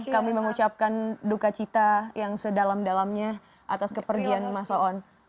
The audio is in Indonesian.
kami mengucapkan duka cita yang sedalam dalamnya atas kepergian mas oon